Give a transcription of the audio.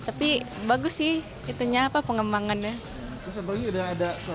tapi bagus sih itunya apa pengembangannya